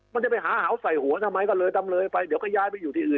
มันจะไปหาเห่าใส่หัวทำไมก็เลยดำเลยไปเดี๋ยวก็ย้ายไปอยู่ที่อื่น